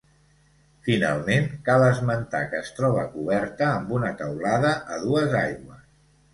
Finalment, cal esmentar que es troba coberta amb una teulada a dues aigües.